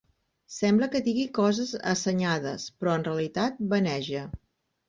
Sembla que digui coses assenyades, però en realitat vaneja.